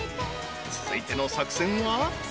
［続いての作戦は］